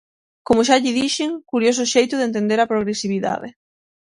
Como xa lle dixen: curioso xeito de entender a progresividade.